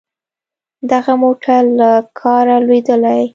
دغه موټر له کاره لوېدلی.